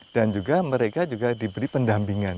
dan juga mereka juga diberi pendampingan